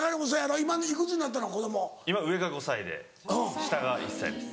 今上が５歳で下が１歳です。